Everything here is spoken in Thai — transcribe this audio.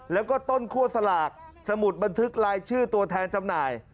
แล้วก็ต้นคั่วสลากสมุดบันทึกลายชื่อตัวแทนจำหน่าย